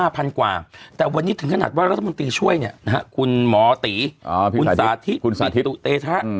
พันกว่าแต่วันนี้ถึงขนาดว่ารัฐมนตรีช่วยคุณหมอตีคุณสาธิคุณสาธิตุเตชะ